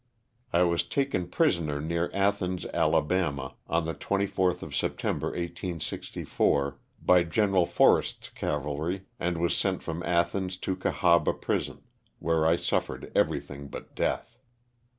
I was taken prisoner near Athens, Ala., on the 24th of September, 1864, by Gen. Forrest's cavalry, and was sent from Athens to Cahaba prison, where I suffered everything but death.